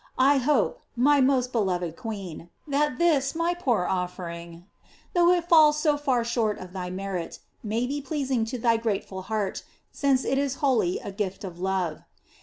I hope, my most beloved queen, that this my poor offering, although it falls so far short of thy merit, may be pleasing to thy grateful heart, since it is wholly a gift of love.